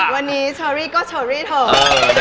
วันนี้เชอรี่ก็เชอรี่เถอะ